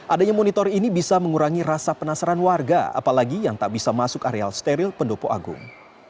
adanya monitor ini bisa mengurangi rasa penasaran warga apalagi yang tak bisa masuk areal steril pendopo agung